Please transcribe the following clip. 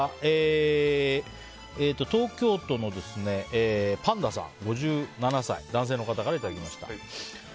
東京都の５７歳、男性の方からいただきました。